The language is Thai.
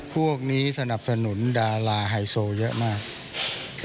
พวกนี้สนับสนุนดาราไฮโซเยอะมาก